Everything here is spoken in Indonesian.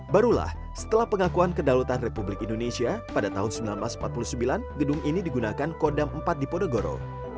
barulah setelah pengakuan kedaulatan republik indonesia pada tahun seribu sembilan ratus empat puluh sembilan gedung ini digunakan kodam empat di ponegoro